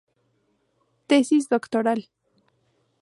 Tesis doctoral.